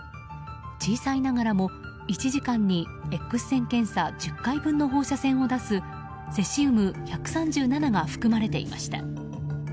小さいながらも１時間にＸ線検査１０回分の放射線を出すセシウム１３７が含まれていました。